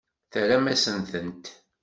Terram-asent-tent.